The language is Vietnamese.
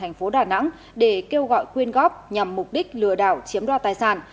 gọi quyên góp nhằm mục đích lừa đảo chiếm đo tài sản